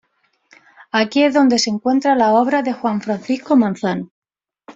Aquí es donde se encuentra las obras de Juan Francisco Manzano.